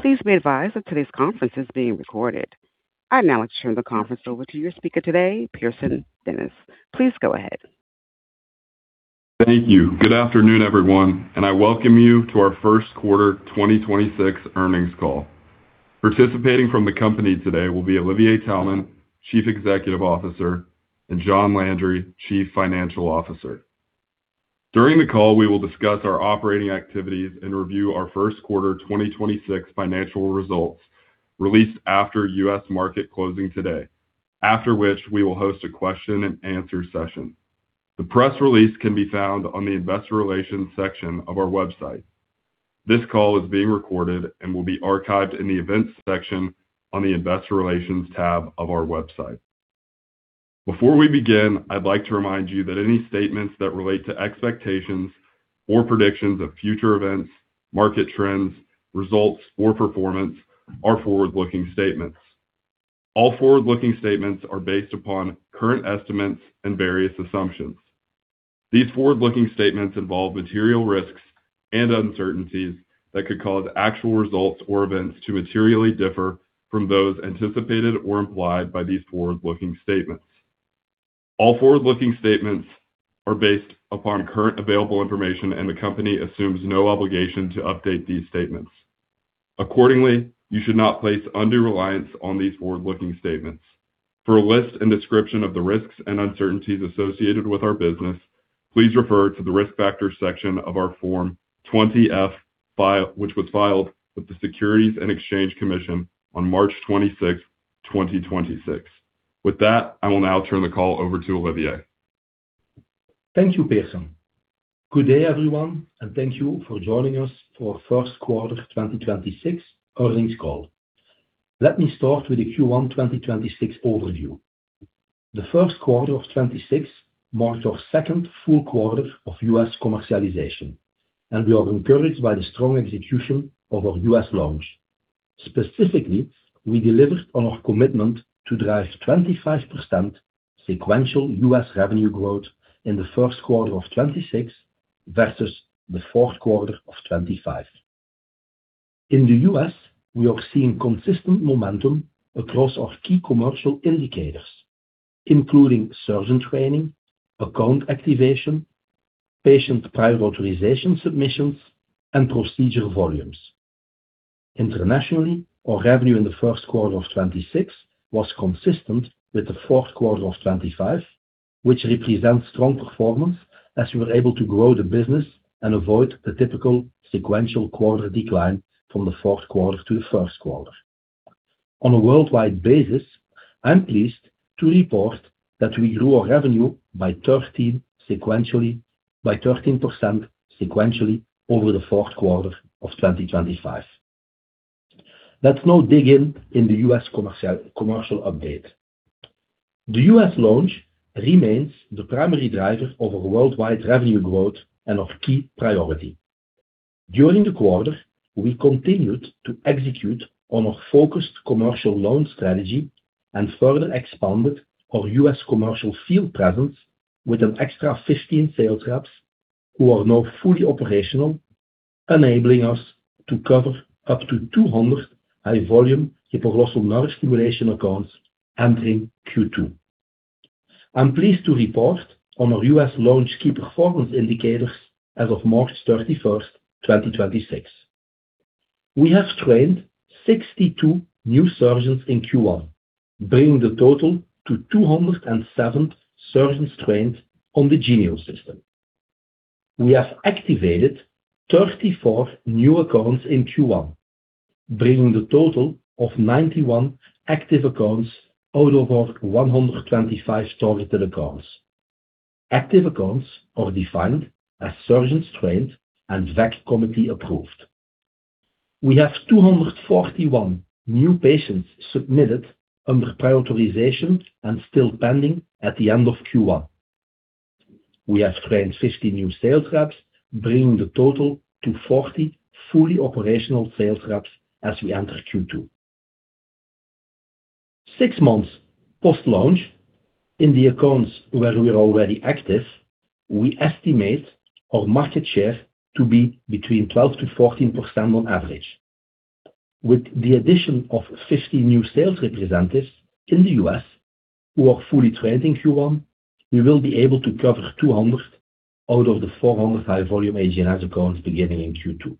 Please be advised that today's conference is being recorded. I'd now like to turn the conference over to your speaker today, Pearson Dennis. Please go ahead. Thank you. Good afternoon, everyone. I welcome you to our first quarter 2026 earnings call. Participating from the company today will be Olivier Taelman, Chief Executive Officer, and John Landry, Chief Financial Officer. During the call, we will discuss our operating activities and review our first quarter 2026 financial results released after U.S. market closing today. We will host a question and answer session. The press release can be found on the investor relations section of our website. This call is being recorded and will be archived in the events section on the investor relations tab of our website. Before we begin, I'd like to remind you that any statements that relate to expectations or predictions of future events, market trends, results or performance are forward-looking statements. All forward-looking statements are based upon current estimates and various assumptions. These forward-looking statements involve material risks and uncertainties that could cause actual results or events to materially differ from those anticipated or implied by these forward-looking statements. All forward-looking statements are based upon current available information, and the company assumes no obligation to update these statements. Accordingly, you should not place undue reliance on these forward-looking statements. For a list and description of the risks and uncertainties associated with our business, please refer to the Risk Factors section of our Form 20-F file, which was filed with the Securities and Exchange Commission on March 26th, 2026. With that, I will now turn the call over to Olivier. Thank you, Pearson. Good day, everyone, and thank you for joining us for first quarter 2026 earnings call. Let me start with the Q1 2026 overview. The first quarter of 2026 marks our second full quarter of U.S. commercialization, and we are encouraged by the strong execution of our U.S. launch. Specifically, we delivered on our commitment to drive 25% sequential U.S. revenue growth in the first quarter of 2026 versus the fourth quarter of 2025. In the U.S., we are seeing consistent momentum across our key commercial indicators, including surgeon training, account activation, patient prior authorization submissions, and procedure volumes. Internationally, our revenue in the first quarter of 2026 was consistent with the fourth quarter of 2025, which represents strong performance as we were able to grow the business and avoid the typical sequential quarter decline from the fourth quarter to the first quarter. On a worldwide basis, I'm pleased to report that we grew our revenue by 13% sequentially over the fourth quarter of 2025. Let's now dig in the U.S. commercial update. The U.S. launch remains the primary driver of our worldwide revenue growth and our key priority. During the quarter, we continued to execute on our focused commercial launch strategy and further expanded our U.S. commercial field presence with an extra 15 sales reps who are now fully operational, enabling us to cover up to 200 high-volume hypoglossal nerve stimulation accounts entering Q2. I'm pleased to report on our U.S. launch key performance indicators as of March 31st, 2026. We have trained 62 new surgeons in Q1, bringing the total to 207 surgeons trained on the Genio system. We have activated 34 new accounts in Q1, bringing the total of 91 active accounts out of our 125 targeted accounts. Active accounts are defined as surgeons trained and VAC committee approved. We have 241 new patients submitted under prior authorization and still pending at the end of Q1. We have trained 50 new sales reps, bringing the total to 40 fully operational sales reps as we enter Q2. Six months post-launch, in the accounts where we are already active, we estimate our market share to be between 12%-14% on average. With the addition of 50 new sales representatives in the U.S. who are fully trained in Q1, we will be able to cover 200 out of the 400 high-volume HGNS accounts beginning in Q2.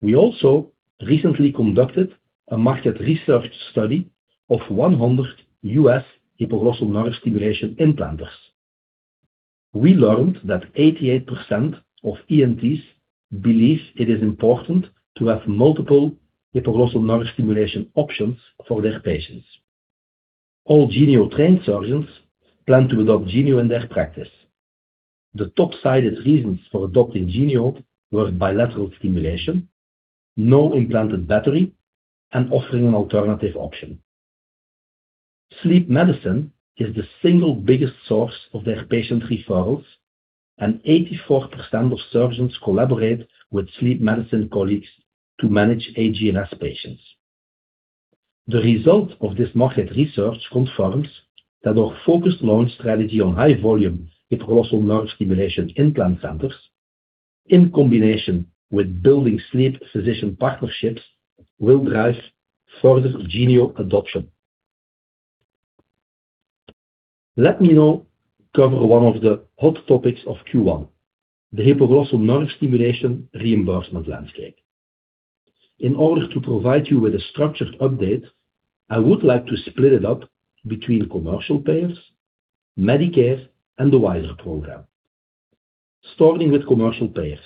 We also recently conducted a market research study of 100 U.S. hypoglossal nerve stimulation implanters. We learned that 88% of ENTs believe it is important to have multiple hypoglossal nerve stimulation options for their patients. All Genio-trained surgeons plan to adopt Genio in their practice. The top-cited reasons for adopting Genio were bilateral stimulation, no implanted battery, and offering an alternative option. Sleep medicine is the single biggest source of their patient referrals, and 84% of surgeons collaborate with sleep medicine colleagues to manage HNS patients. The result of this market research confirms that our focused launch strategy on high volume hypoglossal nerve stimulation implant centers in combination with building sleep physician partnerships will drive further Genio adoption. Let me now cover one of the hot topics of Q1, the hypoglossal nerve stimulation reimbursement landscape. In order to provide you with a structured update, I would like to split it up between commercial payers, Medicare, and the WISeR program. Starting with commercial payers.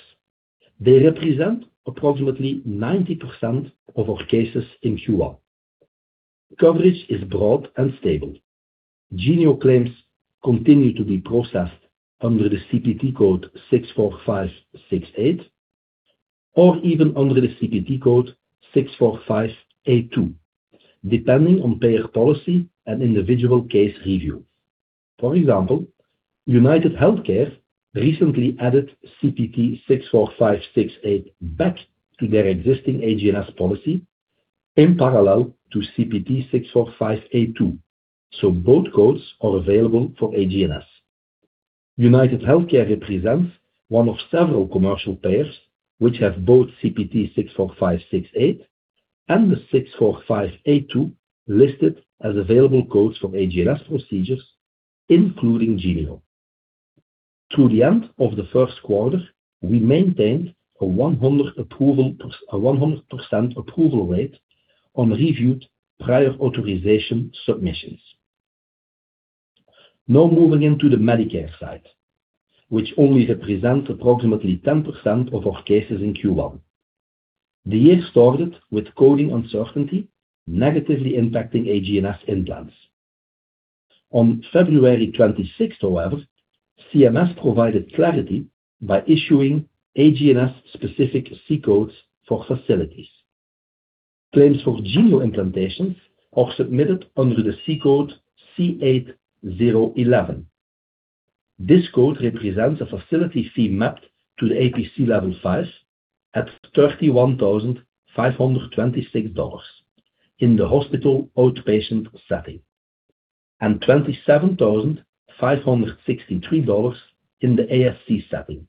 They represent approximately 90% of our cases in Q1. Coverage is broad and stable. Genio claims continue to be processed under the CPT code 64568 or even under the CPT code 64582, depending on payer policy and individual case review. For example, UnitedHealthcare recently added CPT 64568 back to their existing HGNS policy in parallel to CPT 64582, so both codes are available for HGNS. UnitedHealthcare represents one of several commercial payers which have both CPT 64568 and the 64582 listed as available codes for HGNS procedures, including Genio. Through the end of the first quarter, we maintained a 100% approval rate on reviewed prior authorization submissions. Moving into the Medicare side, which only represents approximately 10% of our cases in Q1. The year started with coding uncertainty negatively impacting HGNS implants. On February 26th, however, CMS provided clarity by issuing HGNS-specific C codes for facilities. Claims for Genio implantations are submitted under the C code C8011. This code represents a facility fee mapped to the APC level 5 at EUR 31,526 in the hospital outpatient setting, and EUR 27,563 in the ASC setting.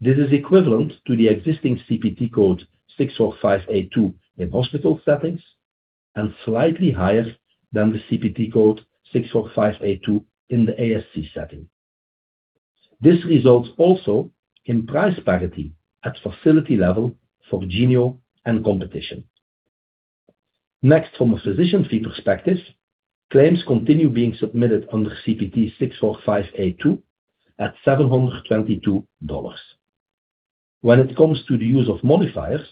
This is equivalent to the existing CPT code 64582 in hospital settings and slightly higher than the CPT code 64582 in the ASC setting. This results also in price parity at facility level for Genio and competition. From a physician fee perspective, claims continue being submitted under CPT 64582 at $722. When it comes to the use of modifiers,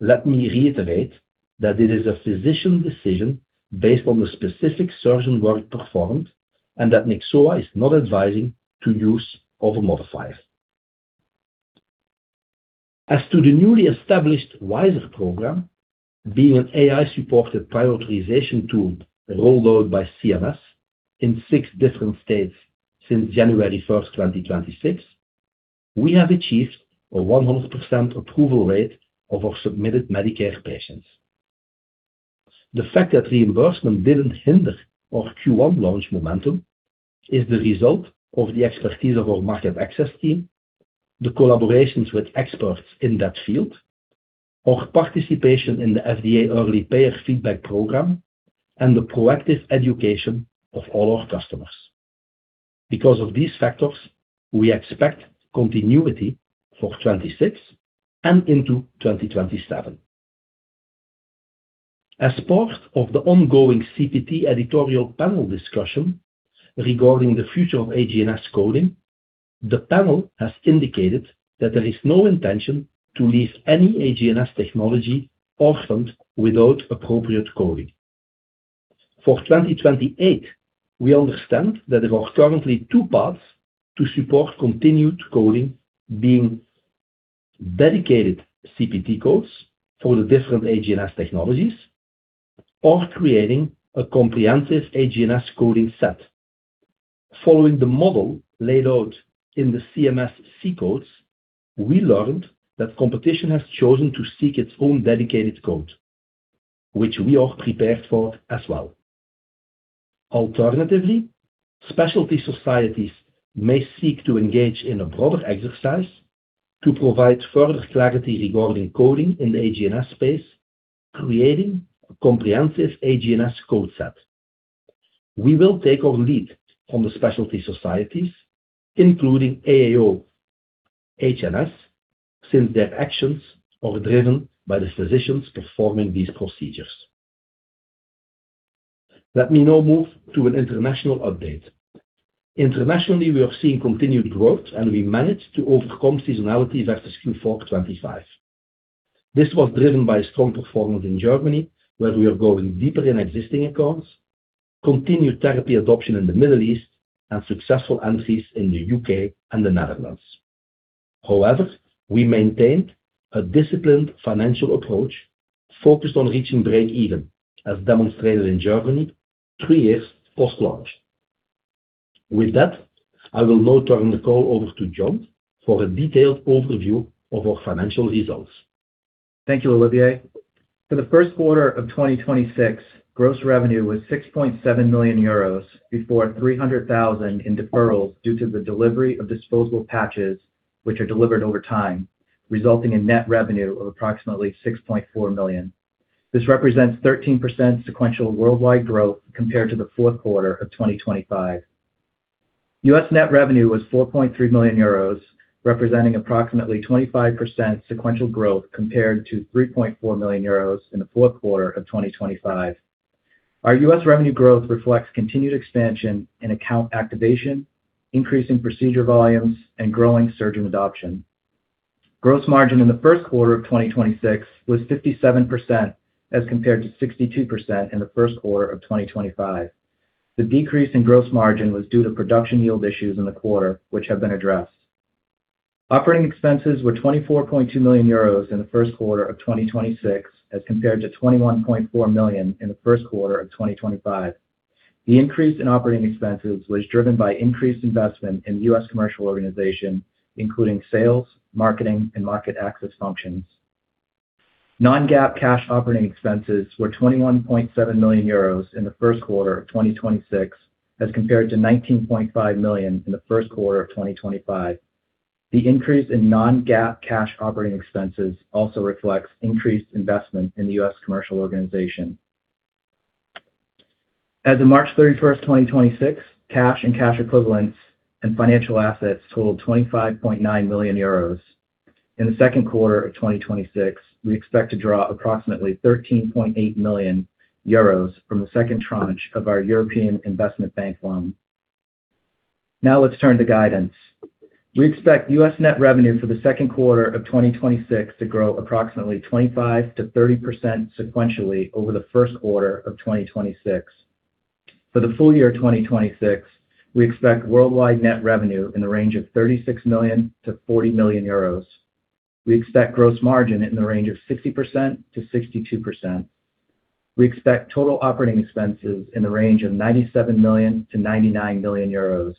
let me reiterate that it is a physician decision based on the specific surgeon work performed and that Nyxoah is not advising to use of a modifier. As to the newly established WISeR program, being an AI-supported prior authorization tool rolled out by CMS in six different states since January 1st, 2026, we have achieved a 100% approval rate of our submitted Medicare patients. The fact that reimbursement didn't hinder our Q1 launch momentum is the result of the expertise of our market access team, the collaborations with experts in that field, our participation in the FDA Early Payer Feedback Program, and the proactive education of all our customers. Of these factors, we expect continuity for 2026 and into 2027. As part of the ongoing CPT Editorial Panel discussion regarding the future of HGNS coding, the panel has indicated that there is no intention to leave any HGNS technology orphaned without appropriate coding. 2028, we understand that there are currently two paths to support continued coding being dedicated CPT codes for the different HGNS technologies or creating a comprehensive HGNS coding set. Following the model laid out in the CMS C codes, we learned that competition has chosen to seek its own dedicated code, which we are prepared for as well. Alternatively, specialty societies may seek to engage in a broader exercise to provide further clarity regarding coding in the HGNS space, creating a comprehensive HGNS code set. We will take our lead from the specialty societies, including AAO-HNS, since their actions are driven by the physicians performing these procedures. Let me now move to an international update. Internationally, we are seeing continued growth. We managed to overcome seasonality versus Q4 2025. This was driven by strong performance in Germany, where we are going deeper in existing accounts, continued therapy adoption in the Middle East, and successful entries in the U.K. and the Netherlands. We maintained a disciplined financial approach focused on reaching break-even, as demonstrated in Germany three years post-launch. With that, I will now turn the call over to John for a detailed overview of our financial results. Thank you, Olivier. For the first quarter of 2026, gross revenue was 6.7 million euros before 300,000 in deferrals due to the delivery of disposable patches, which are delivered over time, resulting in net revenue of approximately 6.4 million. This represents 13% sequential worldwide growth compared to the fourth quarter of 2025. U.S. net revenue was 4.3 million euros, representing approximately 25% sequential growth compared to 3.4 million euros in the fourth quarter of 2025. Our U.S. revenue growth reflects continued expansion in account activation, increasing procedure volumes, and growing surgeon adoption. Gross margin in the first quarter of 2026 was 57% as compared to 62% in the first quarter of 2025. The decrease in gross margin was due to production yield issues in the quarter, which have been addressed. Operating expenses were 24.2 million euros in the first quarter of 2026, as compared to 21.4 million in the first quarter of 2025. The increase in operating expenses was driven by increased investment in U.S. commercial organization, including sales, marketing, and market access functions. Non-GAAP cash operating expenses were 21.7 million euros in the first quarter of 2026, as compared to 19.5 million in the first quarter of 2025. The increase in non-GAAP cash operating expenses also reflects increased investment in the U.S. commercial organization. As of March 31st, 2026, cash and cash equivalents and financial assets totaled 25.9 million euros. In the second quarter of 2026, we expect to draw approximately 13.8 million euros from the second tranche of our European Investment Bank loan. Now let's turn to guidance. We expect U.S. net revenue for the second quarter of 2026 to grow approximately 25%-30% sequentially over the first quarter of 2026. For the full year 2026, we expect worldwide net revenue in the range of 36 million-40 million euros. We expect gross margin in the range of 60%-62%. We expect total operating expenses in the range of 97 million-99 million euros.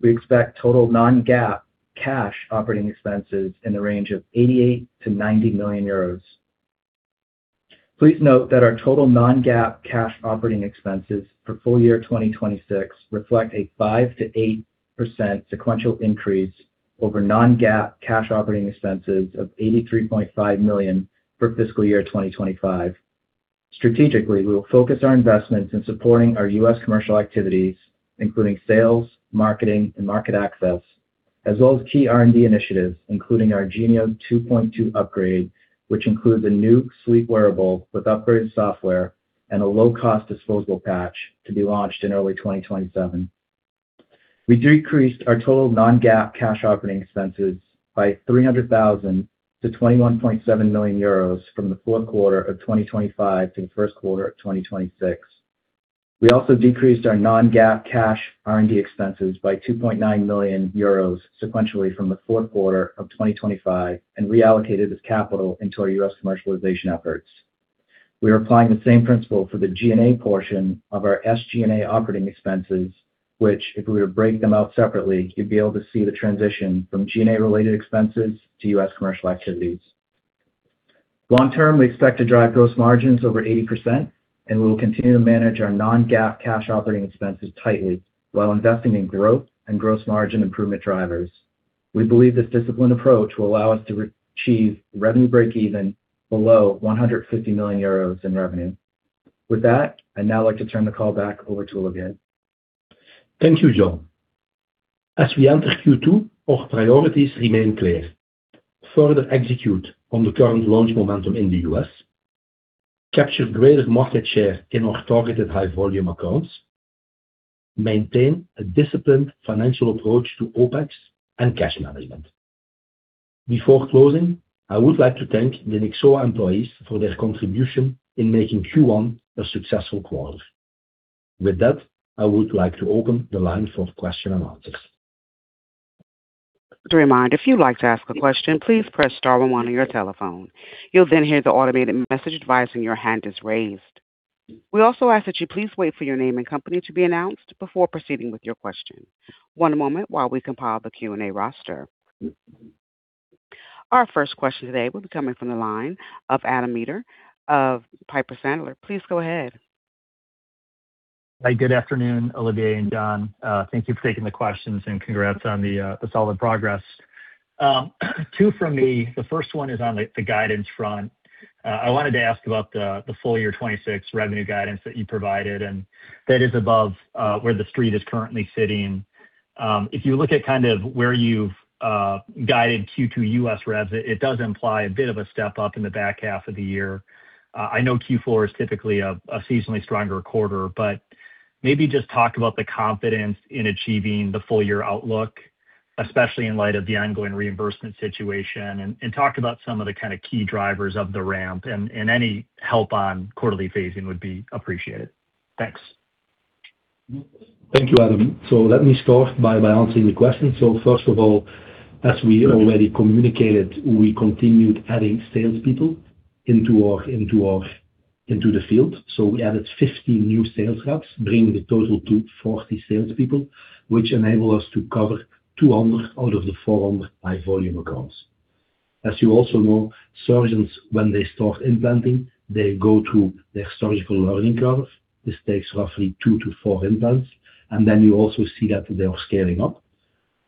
We expect total non-GAAP cash operating expenses in the range of 88 million-90 million euros. Please note that our total non-GAAP cash operating expenses for full year 2026 reflect a 5%-8% sequential increase over non-GAAP cash operating expenses of 83.5 million for fiscal year 2025. Strategically, we will focus our investments in supporting our U.S. commercial activities, including sales, marketing, and market access, as well as key R&D initiatives, including our Genio 2.2 upgrade, which includes a new sleep wearable with upgraded software and a low-cost disposable patch to be launched in early 2027. We decreased our total non-GAAP cash operating expenses by 300,000 to 21.7 million euros from the Q4 2025 to the Q1 2026. We also decreased our non-GAAP cash R&D expenses by 2.9 million euros sequentially from the Q4 2025 and reallocated this capital into our U.S. commercialization efforts. We are applying the same principle for the G&A portion of our SG&A operating expenses, which if we were to break them out separately, you'd be able to see the transition from G&A-related expenses to U.S. commercial activities. Long term, we expect to drive gross margins over 80%, and we will continue to manage our non-GAAP cash operating expenses tightly while investing in growth and gross margin improvement drivers. We believe this disciplined approach will allow us to achieve revenue breakeven below 150 million euros in revenue. With that, I'd now like to turn the call back over to Olivier. Thank you, John. As we enter Q2, our priorities remain clear. Further execute on the current launch momentum in the U.S., capture greater market share in our targeted high-volume accounts, maintain a disciplined financial approach to OpEx and cash management. Before closing, I would like to thank Nyxoah employees for their contribution in making Q1 a successful quarter. With that, I would like to open the line for question and answers. To remind, if you'd like to ask a question, please press star one on your telephone. You'll then hear the automated message advising your hand is raised. We also ask that you please wait for your name and company to be announced before proceeding with your question, and one moment while we compile the Q&A roster. Our first question today will be coming from the line of Adam Maeder of Piper Sandler. Please go ahead. Hi, good afternoon, Olivier and John. Thank you for taking the questions and congrats on the solid progress. Two from me. The first one is on the guidance front. I wanted to ask about the full year 2026 revenue guidance that you provided, and that is above where the street is currently sitting. If you look at kind of where you've guided Q2 U.S. revs, it does imply a bit of a step-up in the back half of the year. I know Q4 is typically a seasonally stronger quarter, but maybe just talk about the confidence in achieving the full year outlook, especially in light of the ongoing reimbursement situation and talk about some of the kind of key drivers of the ramp and any help on quarterly phasing would be appreciated. Thanks. Thank you, Adam. Let me start by answering the question. First of all, as we already communicated, we continued adding salespeople into the field. We added 15 new sales reps, bringing the total to 40 salespeople, which enable us to cover 200 out of the 400 high-volume accounts. As you also know, surgeons, when they start implanting, they go through their surgical learning curve. This takes roughly two-four implants, then you also see that they are scaling up.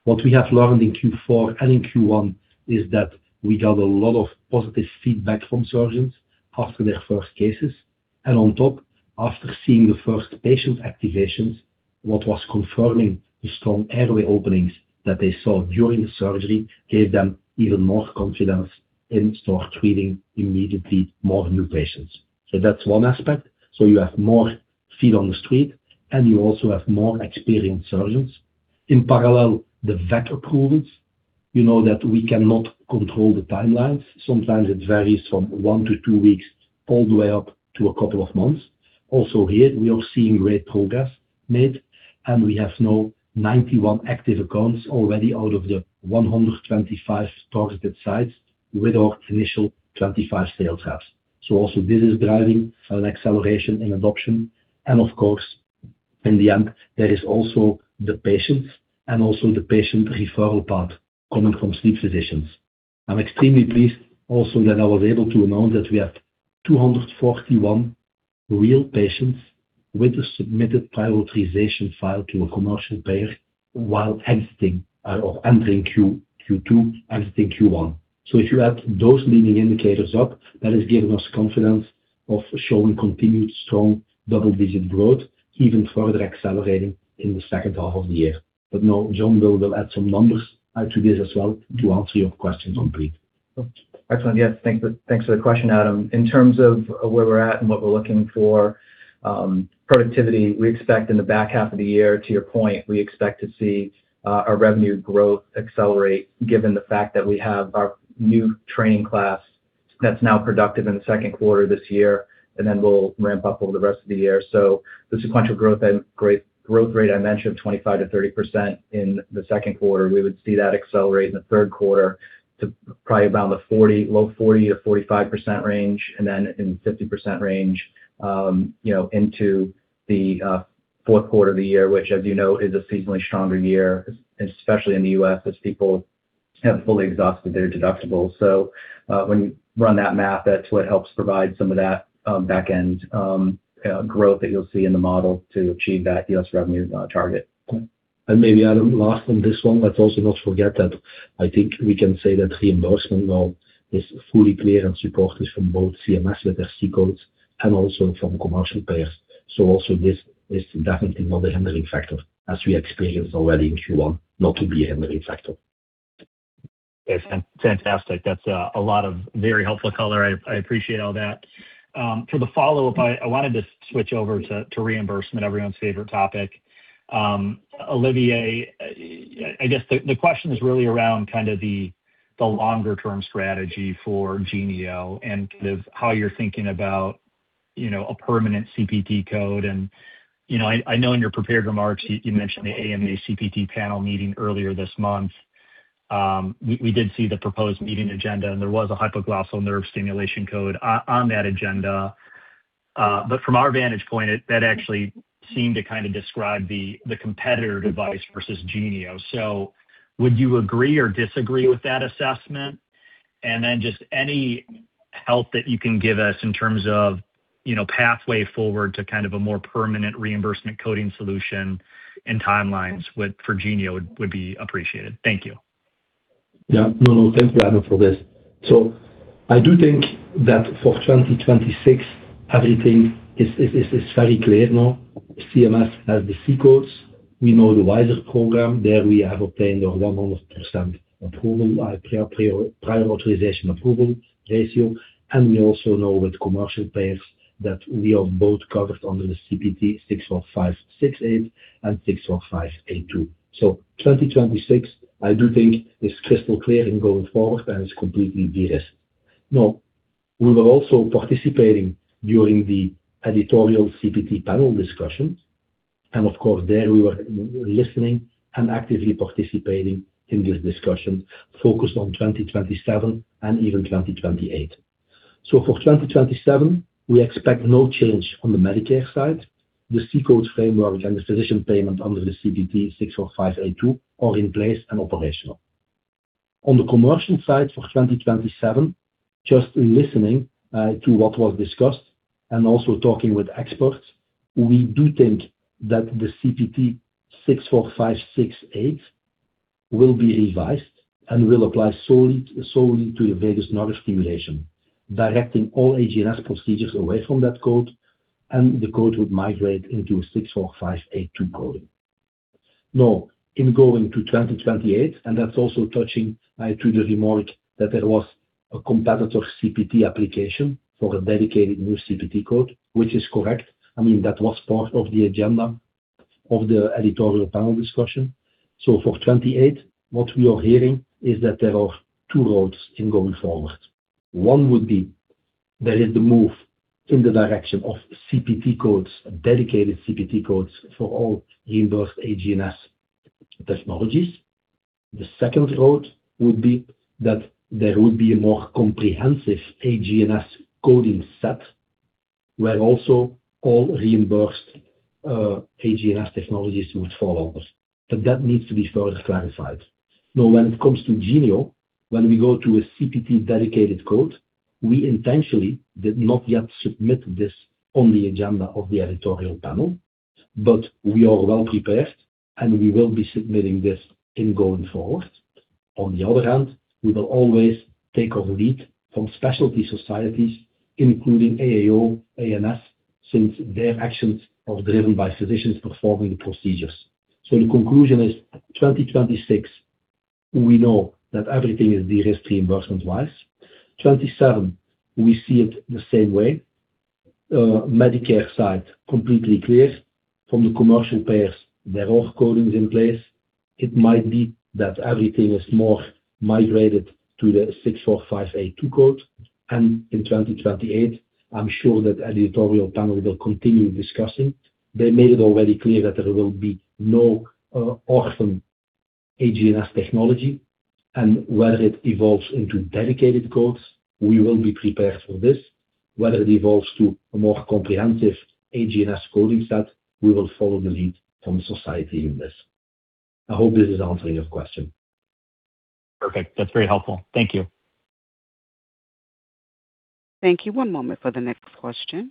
What we have learned in Q4 and in Q1 is that we got a lot of positive feedback from surgeons after their first cases. On top, after seeing the first patient activations, what was confirming the strong airway openings that they saw during the surgery gave them even more confidence and start treating immediately more new patients. That's one aspect. You have more feet on the street, and you also have more experienced surgeons. In parallel, the VAC approvals. You know that we cannot control the timelines. Sometimes it varies from one to two weeks all the way up to a couple of months. Here, we are seeing great progress made, and we have now 91 active accounts already out of the 125 targeted sites with our initial 25 sales reps. This is driving an acceleration in adoption. Of course, in the end, there is also the patients and also the patient referral part coming from sleep physicians. I'm extremely pleased also that I was able to announce that we have 241 real patients with a submitted prioritization file to a commercial payer while exiting or entering Q2, exiting Q1. If you add those leading indicators up, that is giving us confidence of showing continued strong double-digit growth even further accelerating in the second half of the year. Now John will add some numbers to this as well to answer your question completely. Excellent. Yes. Thanks for the question, Adam. In terms of where we're at and what we're looking for, productivity, we expect in the back half of the year, to your point, we expect to see our revenue growth accelerate given the fact that we have our new training class that's now productive in the second quarter this year, and then we'll ramp up over the rest of the year. The sequential growth and growth rate I mentioned, 25% to 30% in the second quarter. We would see that accelerate in the third quarter to probably about the 40%, low 40% to 45% range, and then in 50% range, you know, into the fourth quarter of the year, which as you know, is a seasonally stronger year, especially in the U.S., as people have fully exhausted their deductibles. When you run that math, that's what helps provide some of that back-end growth that you'll see in the model to achieve that U.S. revenue target. Maybe, Adam, last on this one. Let's also not forget that I think we can say that reimbursement now is fully clear and supported from both CMS with their C codes and also from commercial payers. Also this is definitely not a hindering factor, as we experienced already in Q1 not to be a hindering factor. Okay. Fantastic. That's a lot of very helpful color. I appreciate all that. For the follow-up, I wanted to switch over to reimbursement, everyone's favorite topic. Olivier, I guess the question is really around kind of the longer-term strategy for Genio and kind of how you're thinking about, you know, a permanent CPT code. You know, I know in your prepared remarks, you mentioned the AMA CPT panel meeting earlier this month. We did see the proposed meeting agenda, and there was a hypoglossal nerve stimulation code on that agenda. From our vantage point, that actually seemed to kind of describe the competitor device versus Genio. Would you agree or disagree with that assessment? Then just any help that you can give us in terms of, you know, pathway forward to kind of a more permanent reimbursement coding solution and timelines would, for Genio would be appreciated. Thank you. No, thanks, Adam, for this. I do think that for 2026, everything is very clear now. CMS has the C codes. We know the WISeR Model. There we have obtained a 100% approval, prior authorization approval ratio. We also know with commercial payers that we are both covered under the CPT 64568 and 64582. 2026, I do think is crystal clear in going forward, and it's completely de-risked. Now, we were also participating during the CPT Editorial Panel discussions, of course, there we were listening and actively participating in this discussion focused on 2027 and even 2028. For 2027, we expect no change on the Medicare side. The CPT code framework and the physician payment under the CPT 64582 are in place and operational. On the commercial side for 2027, just listening to what was discussed and also talking with experts, we do think that the CPT 64568 will be revised and will apply solely to the hypoglossal nerve stimulation, directing all HNS procedures away from that code, and the code would migrate into a 64582 coding. Now, in going to 2028, and that's also touching to the remark that there was a competitor CPT application for a dedicated new CPT code, which is correct. I mean, that was part of the agenda of the CPT Editorial Panel discussion. For 28, what we are hearing is that there are two roads in going forward. One would be there is the move in the direction of CPT codes, dedicated CPT codes for all universe HGNS technologies. The second road would be that there would be a more comprehensive HGNS coding set where also all reimbursed HGNS technologies would follow. That needs to be further clarified. When it comes to Genio, when we go to a CPT-dedicated code, we intentionally did not yet submit this on the agenda of the CPT Editorial Panel, but we are well-prepared, and we will be submitting this in going forward. On the other hand, we will always take our lead from specialty societies, including AAO-HNS, since their actions are driven by physicians performing the procedures. The conclusion is 2026, we know that everything is de-risked reimbursement-wise. 2027, we see it the same way. Medicare side, completely clear. From the commercial payers, there are codings in place. It might be that everything is more migrated to the CPT 645A2 code. In 2028, I'm sure that CPT Editorial Panel will continue discussing. They made it already clear that there will be no orphan HGNS technology, and whether it evolves into dedicated codes, we will be prepared for this. Whether it evolves to a more comprehensive HGNS coding set, we will follow the lead from society in this. I hope this is answering your question. Perfect. That's very helpful. Thank you. Thank you. One moment for the next question.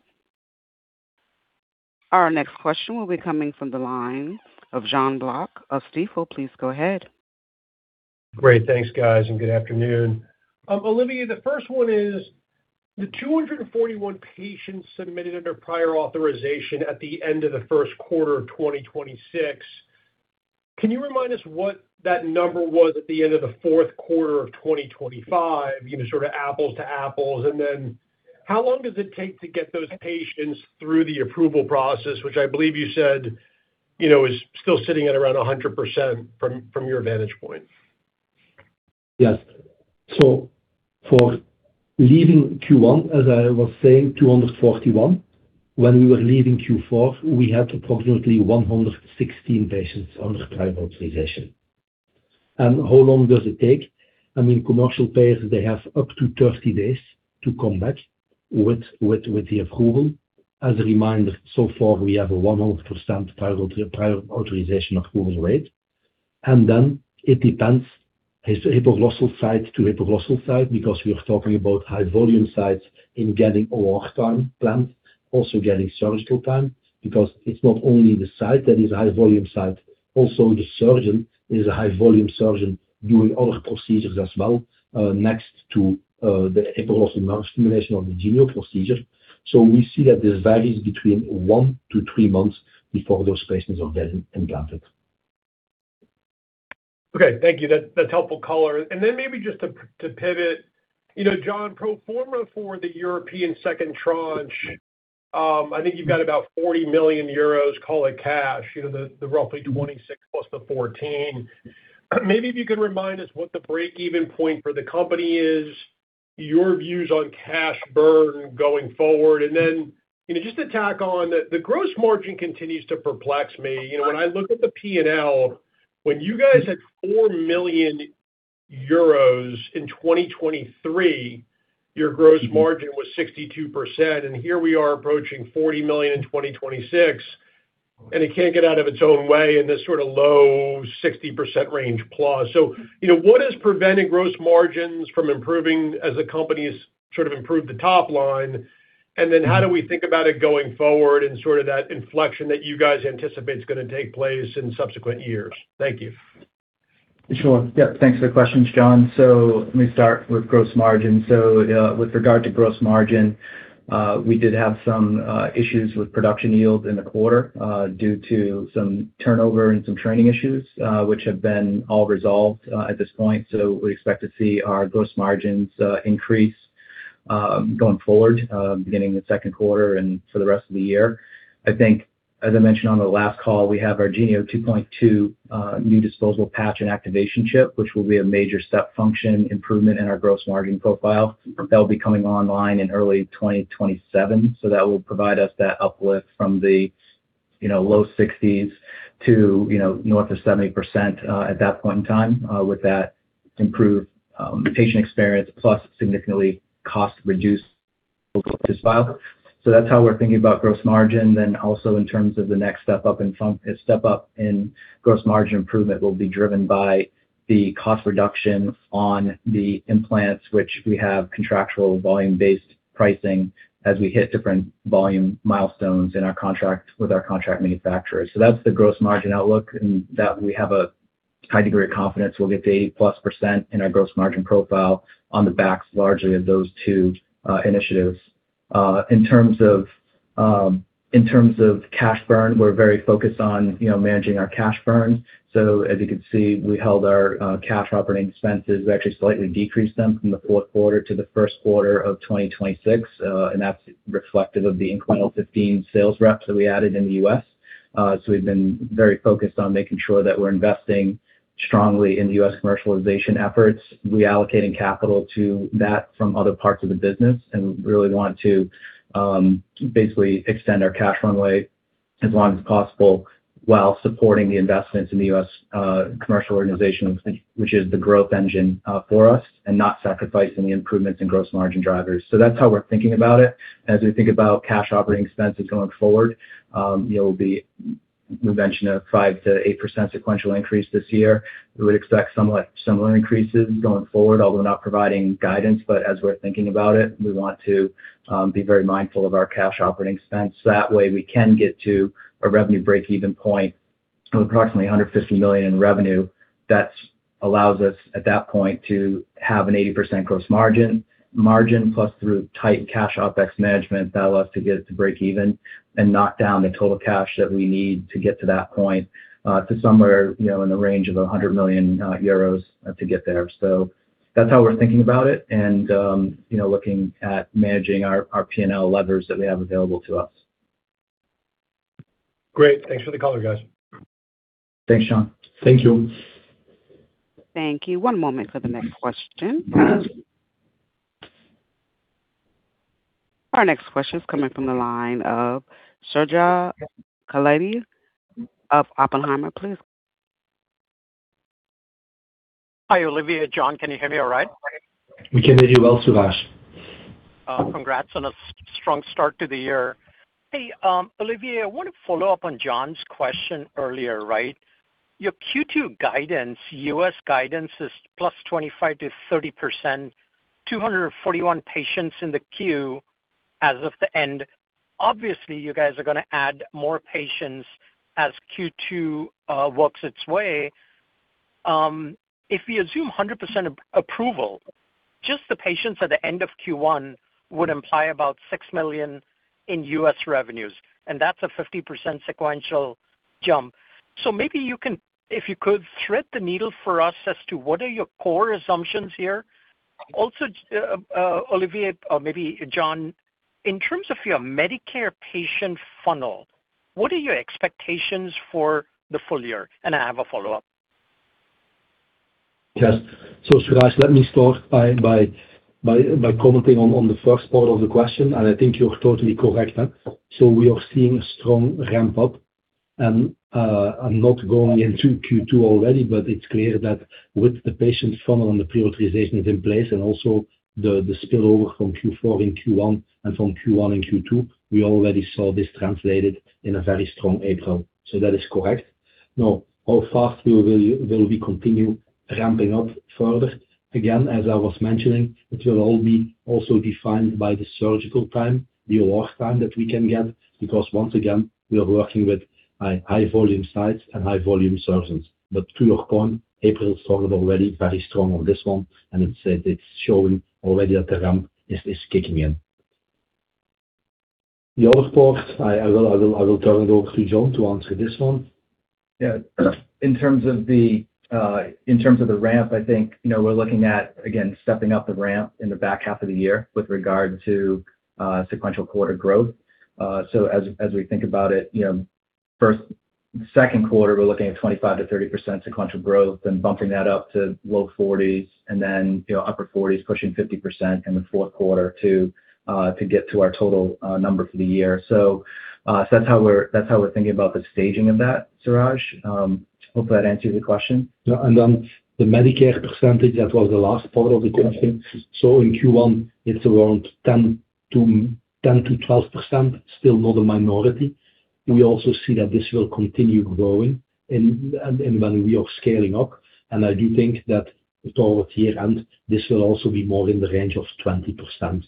Our next question will be coming from the line of Jonathan Block of Stifel. Please go ahead. Great. Thanks, guys, and good afternoon. Olivier, the first one is the 241 patients submitted under prior authorization at the end of the first quarter of 2026. Can you remind us what that number was at the end of the fourth quarter of 2025, you know, sort of apples to apples? How long does it take to get those patients through the approval process, which I believe you said, you know, is still sitting at around 100% from your vantage point? Yes. For leaving Q1, as I was saying, 241. When we were leaving Q4, we had approximately 116 patients under prior authorization. How long does it take? I mean, commercial payers, they have up to 30 days to come back with the approval. As a reminder, so far, we have a 100% prior authorization approval rate. It depends, hypoglossal site to hypoglossal site, because we are talking about high-volume sites in getting OR time planned, also getting surgical time, because it's not only the site that is high volume site, also the surgeon is a high-volume surgeon doing other procedures as well, next to the hypoglossal nerve stimulation or the Genio procedure. We see that this varies between one to three months before those patients are then implanted. Okay. Thank you. That's helpful color. Maybe just to pivot, you know, John, pro forma for the European second tranche, I think you've got about 40 million euros, call it cash, you know, the roughly 26 plus the 14. Maybe if you could remind us what the break-even point for the company is, your views on cash burn going forward. Then, you know, just to tack on, the gross margin continues to perplex me. You know, when I look at the P&L, when you guys had 4 million euros in 2023, your gross margin was 62%, here we are approaching 40 million in 2026, it can't get out of its own way in this sort of low 60% range plus. You know, what is preventing gross margins from improving as the company's sort of improved the top line? How do we think about it going forward and sort of that inflection that you guys anticipate is gonna take place in subsequent years? Thank you. Sure. Yeah. Thanks for the questions, John. Let me start with gross margin. With regard to gross margin, we did have some issues with production yield in the quarter, due to some turnover and some training issues, which have been all resolved at this point. We expect to see our gross margins increase going forward, beginning the second quarter and for the rest of the year. I think, as I mentioned on the last call, we have our Genio two point two new disposable patch and activation chip, which will be a major step function improvement in our gross margin profile. That'll be coming online in early 2027, that will provide us that uplift from the, you know, low 60s to, you know, north of 70% at that point in time with that improved patient experience plus significantly cost reduced profile. That's how we're thinking about gross margin. In terms of the next step up in gross margin improvement will be driven by the cost reduction on the implants, which we have contractual volume-based pricing as we hit different volume milestones in our contract with our contract manufacturers. That's the gross margin outlook, and that we have a high degree of confidence we'll get to 8%+ in our gross margin profile on the backs largely of those two initiatives. In terms of, in terms of cash burn, we're very focused on managing our cash burn. As you can see, we held our cash operating expenses. We actually slightly decreased them from the fourth quarter to the first quarter of 2026, that's reflective of the incremental 15 sales reps that we added in the U.S. We've been very focused on making sure that we're investing strongly in the U.S. commercialization efforts, reallocating capital to that from other parts of the business and really want to basically extend our cash runway as long as possible while supporting the investments in the U.S. commercial organization, which is the growth engine for us, not sacrificing the improvements in gross margin drivers. That's how we're thinking about it. As we think about cash operating expenses going forward, you know, we mentioned a 5%-8% sequential increase this year. We would expect somewhat similar increases going forward, although we're not providing guidance. As we're thinking about it, we want to be very mindful of our cash operating expense. That way, we can get to a revenue break-even point of approximately 150 million in revenue that allows us at that point to have an 80% gross margin plus through tight cash OpEx management allow us to get it to break even and knock down the total cash that we need to get to that point, to somewhere, you know, in the range of 100 million euros to get there. That's how we're thinking about it and, you know, looking at managing our P&L levers that we have available to us. Great. Thanks for the color, guys. Thanks, John. Thank you. Thank you. One moment for the next question. Our next question is coming from the line of Suraj Kalia of Oppenheimer & Co. Inc. Please go ahead. Hi, Olivier, John. Can you hear me all right? We can hear you well, Suraj. Congrats on a strong start to the year. Hey, Olivier, I want to follow up on John's question earlier, right? Your Q2 guidance, U.S. guidance is +25%-30%, 241 patients in the queue as of the end. Obviously, you guys are gonna add more patients as Q2 works its way. If we assume 100% approval, just the patients at the end of Q1 would imply about 6 million in U.S. revenues, and that's a 50% sequential jump. If you could thread the needle for us as to what are your core assumptions here. Also, Olivier or maybe John, in terms of your Medicare patient funnel, what are your expectations for the full year? I have a follow-up. Yes. Suraj, let me start by commenting on the first part of the question, and I think you're totally correct. We are seeing a strong ramp-up, and I'm not going into Q2 already, but it's clear that with the patient funnel and the pre-authorization is in place and also the spillover from Q4 in Q1 and from Q1 and Q2, we already saw this translated in a very strong April. That is correct. How fast we will continue ramping up further? Again, as I was mentioning, it will all be also defined by the surgical time, the OR time that we can get, because once again, we are working with high volume sites and high volume surgeons. To your point, April started already very strong on this one, and it's showing already that the ramp is kicking in. The other part, I will turn it over to John to answer this one. Yeah. In terms of the, in terms of the ramp, I think, you know, we're looking at, again, stepping up the ramp in the back half of the year with regard to sequential quarter growth. As we think about it, you know, first-second quarter, we're looking at 25%-30% sequential growth, then bumping that up to low 40s and then, you know, upper 40s pushing 50% in the fourth quarter to get to our total number for the year. That's how we're thinking about the staging of that, Suraj. Hope that answers the question. Yeah. Then the Medicare percentage, that was the last part of the question. In Q1, it's around 10%-12%, still more the minority. We also see that this will continue growing and when we are scaling up. I do think that towards year-end, this will also be more in the range of 20%.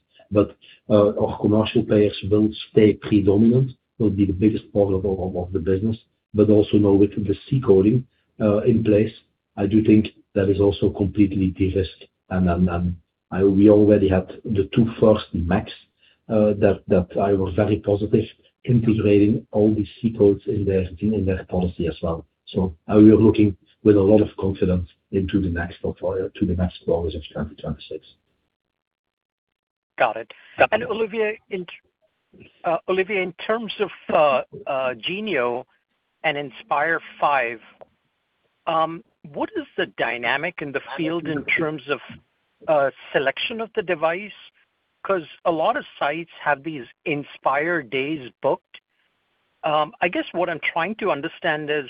Our commercial players will stay predominant, will be the biggest part of the business. Also now with the C coding in place, I do think that is also completely de-risked. We already had the two first MACs that I was very positive integrating all these C codes in their policy as well. We are looking with a lot of confidence into the next portfolio, to the next quarters of 2026. Got it. Olivier, in terms of Genio and Inspire V, what is the dynamic in the field in terms of selection of the device? A lot of sites have these Inspire days booked. I guess what I'm trying to understand is,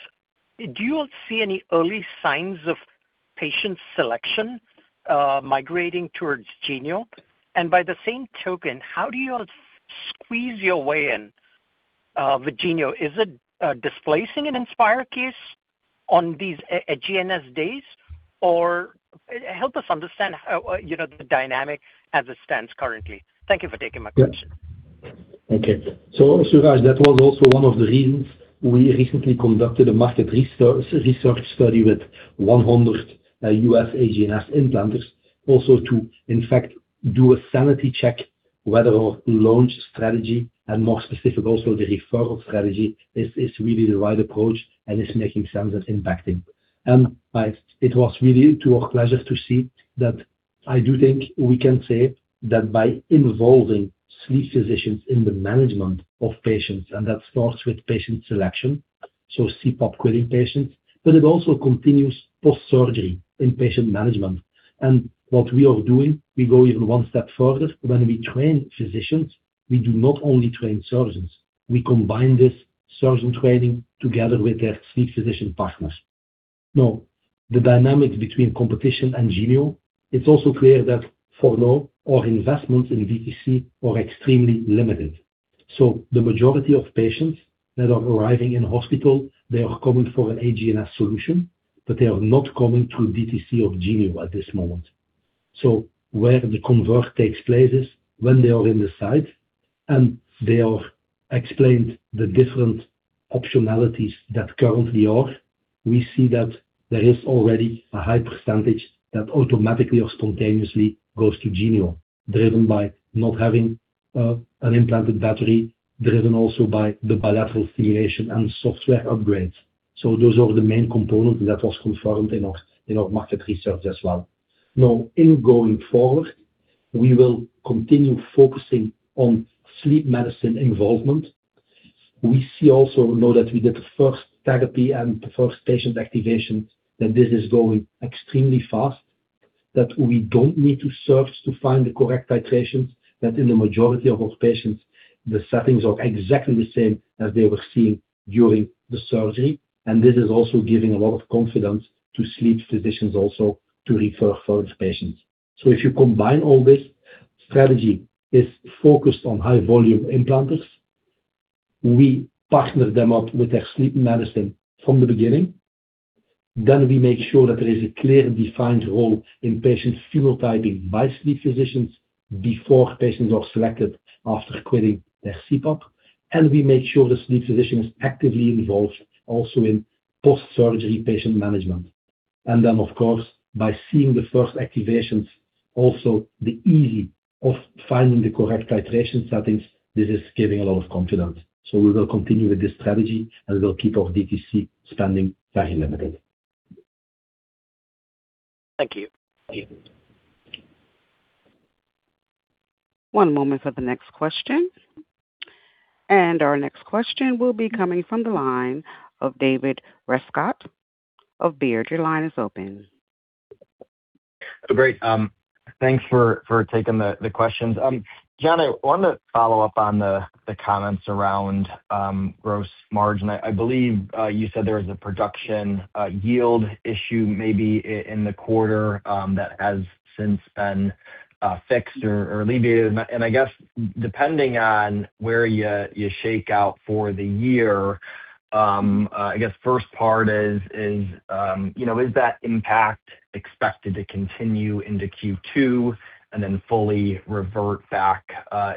do you see any early signs of patient selection migrating towards Genio? By the same token, how do you squeeze your way in with Genio? Is it displacing an Inspire case on these HNS days? Help us understand how, you know, the dynamic as it stands currently. Thank you for taking my question. Suraj, that was also one of the reasons we recently conducted a market research study with 100 U.S. HGNS implanters. Also to, in fact, do a sanity check whether our launch strategy and more specific also the referral strategy is really the right approach and is making sense and impacting. It was really to our pleasure to see that I do think we can say that by involving sleep physicians in the management of patients, and that starts with patient selection, so CPAP quitting patients, but it also continues post-surgery in patient management. What we are doing, we go even one step further. When we train physicians, we do not only train surgeons. We combine this surgeon training together with their sleep physician partners. The dynamic between competition and Genio, it's also clear that for now our investments in DTC are extremely limited. The majority of patients that are arriving in hospital, they are coming for an HGNS solution, but they are not coming through DTC of Genio at this moment. Where the convert takes place is when they are in the site and they are explained the different optionalities that currently are. We see that there is already a high percentage that automatically or spontaneously goes to Genio, driven by not having an implanted battery, driven also by the bilateral stimulation and software upgrades. Those are the main components that was confirmed in our market research as well. In going forward, we will continue focusing on sleep medicine involvement. We see also now that we did the first therapy and the first patient activation, that this is going extremely fast, that we don't need to search to find the correct titration, that in the majority of our patients, the settings are exactly the same as they were seeing during the surgery. This is also giving a lot of confidence to sleep physicians also to refer for the patients. If you combine all this, strategy is focused on high-volume implanters. We partner them up with their sleep medicine from the beginning. We make sure that there is a clear and defined role in patient phenotyping by sleep physicians before patients are selected after quitting their CPAP. We make sure the sleep physician is actively involved also in post-surgery patient management. Of course, by seeing the first activations, also the ease of finding the correct titration settings, this is giving a lot of confidence. We will continue with this strategy, and we'll keep our DTC spending very limited. Thank you. One moment for the next question. Our next question will be coming from the line of David Rescott of Baird. Your line is open. Great. Thanks for taking the questions. John, I wanted to follow up on the comments around gross margin. I believe you said there was a production yield issue maybe in the quarter that has since been fixed or alleviated. I guess depending on where you shake out for the year, I guess first part is, you know, is that impact expected to continue into Q2 and then fully revert back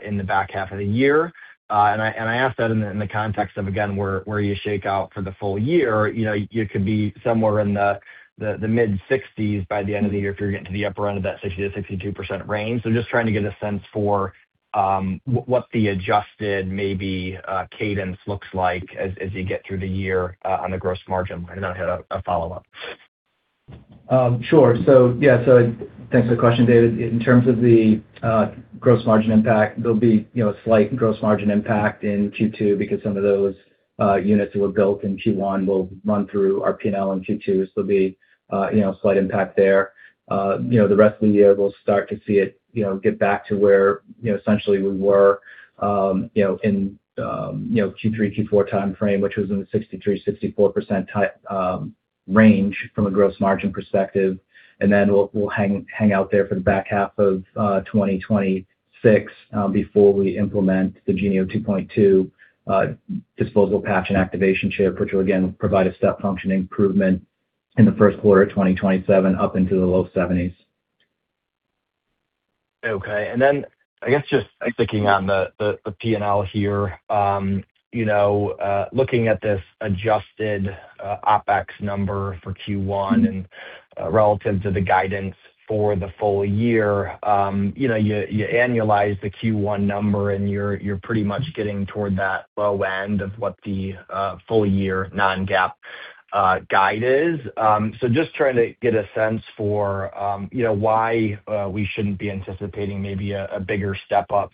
in the back half of the year? I ask that in the context of, again, where you shake out for the full year. You know, you could be somewhere in the mid-60%s by the end of the year if you're getting to the upper end of that 60%-62% range. Just trying to get a sense for what the adjusted maybe cadence looks like as you get through the year on the gross margin. I have a follow-up. Thanks for the question, David. In terms of the gross margin impact, there'll be, you know, a slight gross margin impact in Q2 because some of those units that were built in Q1 will run through our P&L in Q2, so there'll be, you know, a slight impact there. You know, the rest of the year, we'll start to see it, you know, get back to where, you know, essentially we were, you know, in, you know, Q3, Q4 timeframe, which was in the 63%-64% range from a gross margin perspective. We'll hang out there for the back half of 2026 before we implement the Genio 2.2 disposal patch and activation chip, which will again provide a step function improvement in the first quarter of 2027 up into the low 70%s. Okay. I guess just clicking on the P&L here, you know, looking at this adjusted OpEx number for Q1 and relative to the guidance for the full year, you know, you annualize the Q1 number, and you're pretty much getting toward that low end of what the full year non-GAAP guide is. So just trying to get a sense for, you know, why we shouldn't be anticipating maybe a bigger step up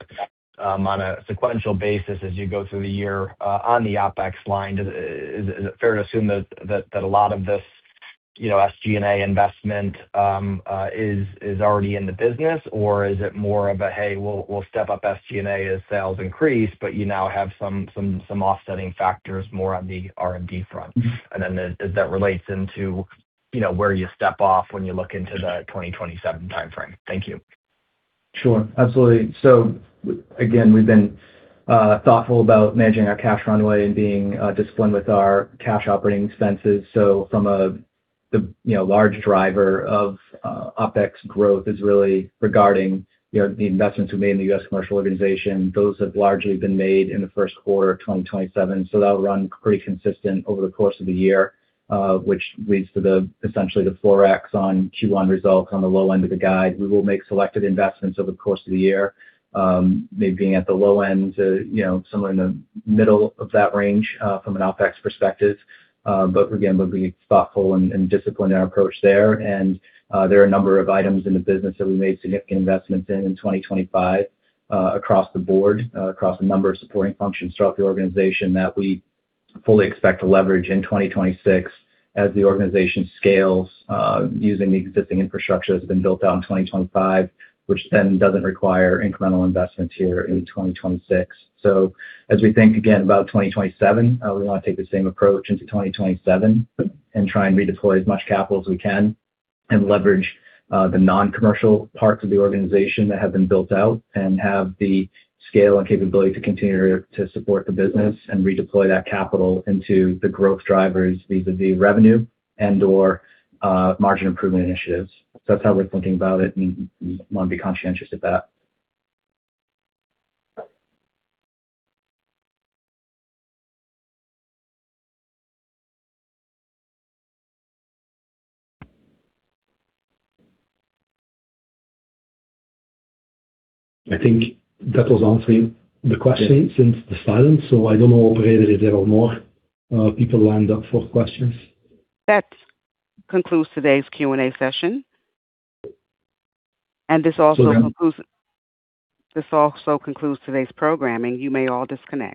on a sequential basis as you go through the year on the OpEx line. Is it fair to assume that a lot of this, you know, SG&A investment is already in the business, or is it more of a, "Hey, we'll step up SG&A as sales increase," but you now have some offsetting factors more on the R&D front? As that relates into, you know, where you step off when you look into the 2027 timeframe. Thank you. Sure. Absolutely. Again, we've been thoughtful about managing our cash runway and being disciplined with our cash operating expenses. The, you know, large driver of OpEx growth is really regarding, you know, the investments we made in the U.S. commercial organization. Those have largely been made in the first quarter of 2027, so that'll run pretty consistent over the course of the year, which leads to essentially the 4x on Q1 results on the low end of the guide. We will make selective investments over the course of the year, maybe being at the low end to, you know, somewhere in the middle of that range, from an OpEx perspective. Again, we'll be thoughtful and disciplined in our approach there. There are a number of items in the business that we made significant investments in 2025, across the board, across a number of supporting functions throughout the organization that we fully expect to leverage in 2026 as the organization scales, using the existing infrastructure that's been built out in 2025, which then doesn't require incremental investments here in 2026. As we think again about 2027, we want to take the same approach into 2027 and try and redeploy as much capital as we can and leverage the non-commercial parts of the organization that have been built out and have the scale and capability to continue to support the business and redeploy that capital into the growth drivers, be they be revenue and/or margin improvement initiatives. That's how we're thinking about it, and we want to be conscientious of that. I think that was answering the question since the silence. I don't know, operator, is there are more people lined up for questions? That concludes today's Q&A session. So then- This also concludes today's programming. You may all disconnect.